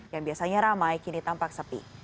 yang biasanya ramai kini tampak sepi